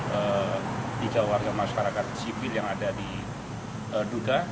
ini kelompok ini yang melakukan pembantian tiga warga masyarakat sipil yang ada di duga